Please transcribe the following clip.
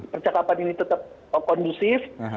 percakapan ini tetap kondusif